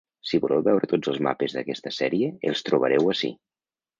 Si voleu veure tots els mapes d’aquesta sèrie els trobareu ací.